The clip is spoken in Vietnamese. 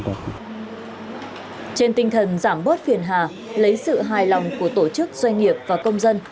trên tinh thần giảm bớt phiền hà lấy sự hài lòng của tổ chức doanh nghiệp và công dân